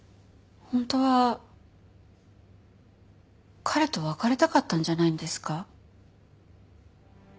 本当は彼と別れたかったんじゃないんですか？